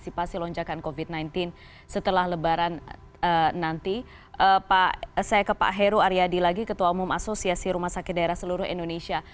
saya ke pak heru aryadi lagi ketua umum asosiasi rumah sakit daerah seluruh indonesia